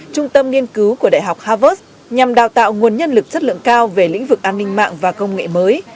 trung tâm nghiên cứu của đại học harvard nhằm đào tạo nguồn nhân lực chất lượng cao về lĩnh vực an ninh mạng và công nghệ mới